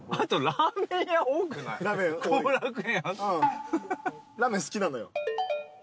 ラーメン好きなのよ。